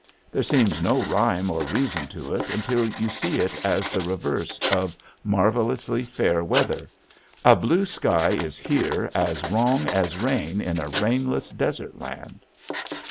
There seems no rhyme or reason to it until you see it as the reverse of marvelously fair weather; a blue sky is here as wrong as rain in a rainless desert land.